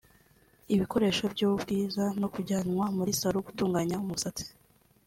ibikoresho by’ubwiza no kujyanwa muri Salon gutunganya umusatsi